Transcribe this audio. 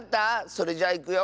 それじゃいくよ。